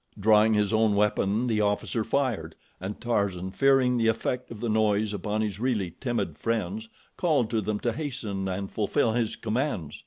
Drawing his own weapon, the officer fired, and Tarzan fearing the effect of the noise upon his really timid friends called to them to hasten and fulfill his commands.